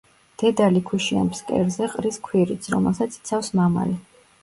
დედალი ქვიშიან ფსკერზე ყრის ქვირითს, რომელსაც იცავს მამალი.